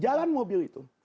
jalan mobil itu